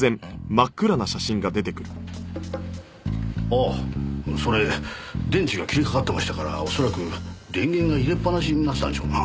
ああそれ電池が切れかかってましたからおそらく電源が入れっぱなしになってたんでしょうな。